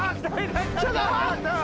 ちょっとあ！